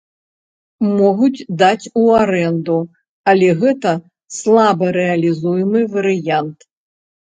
Могуць даць у арэнду, але гэта слабарэалізуемы варыянт.